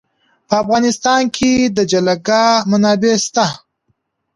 په افغانستان کې د جلګه منابع شته.